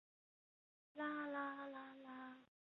拉兹奎耶。